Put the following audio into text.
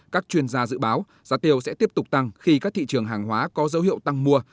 các chuyên gia dự báo giá tiêu sẽ tiếp tục tăng khi các thị trường hàng hóa có dấu hiệu tăng mua